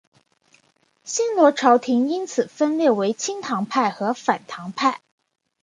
新罗朝延因此分裂为亲唐派和反唐派。